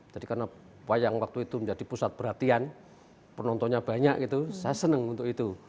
jadi karena wayang waktu itu menjadi pusat perhatian penontonnya banyak gitu saya senang untuk itu